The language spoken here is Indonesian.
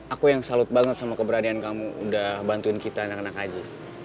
aku yang salut banget sama keberanian kamu udah bantuin kita anak anak aja